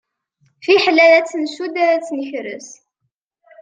Fiḥel ad tt-ncudd ad tt-nkres.